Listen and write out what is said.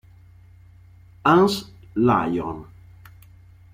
Hans Lion